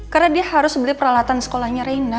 karena dia harus beli peralatan sekolahnya reina